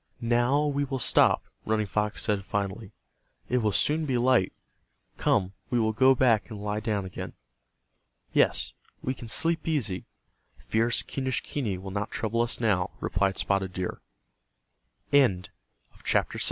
"Now we will stop," Running Fox said, finally, "It will soon be light. Come, we will go back and lie down again." "Yes, we can sleep easy, fierce Quenischquney will not trouble us now," replied Spotted Deer. CHA